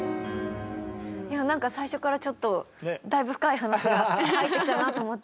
なんか最初からちょっとだいぶ深い話が入ってきたなと思って。